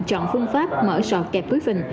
chọn phương pháp mở sọ kẹp túi phình